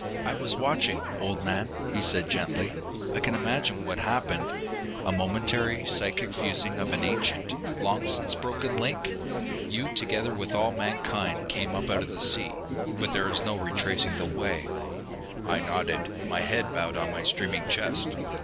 "I was watching, old man," he said gently. "I can imagine what happened. A momentary, psychic fusing of an ancient, long since broken link. You, together with all mankind, came up out of the sea. But there is no retracing the way." I nodded, my head bowed on my streaming chest.